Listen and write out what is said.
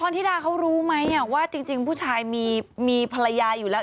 ธิดาเขารู้ไหมว่าจริงผู้ชายมีภรรยาอยู่แล้ว